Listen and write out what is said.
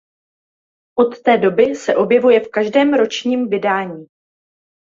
Od té doby se objevuje v každém ročním vydání.